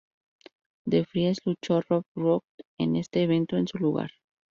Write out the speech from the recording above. De Fries luchó Rob Broughton en este evento en su lugar.